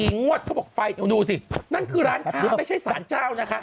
งวดเขาบอกไฟดูสินั่นคือร้านค้าไม่ใช่สารเจ้านะคะ